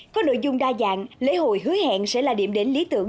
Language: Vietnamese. có nội dung đa dạng lễ hội hứa hẹn sẽ là điểm đến lý tưởng